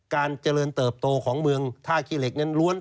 การเจริญเติบโตของเมืองท่าขี้เหล็กนั้นล้วน